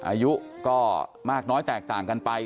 อายุก็มากน้อยแตกต่างกันไป